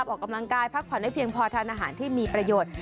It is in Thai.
ออกกำลังกายพักผ่อนให้เพียงพอทานอาหารที่มีประโยชน์